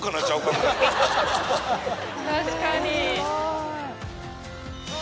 確かに。